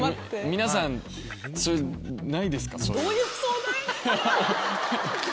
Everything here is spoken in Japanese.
皆さんそれないですか？